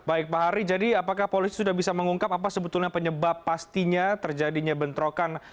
baik pak hari jadi apakah polisi sudah bisa mengungkap apa sebetulnya penyebab pastinya terjadinya bentrokan